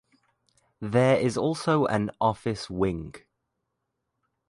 There is also an office wing.